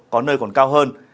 có nơi còn cao hơn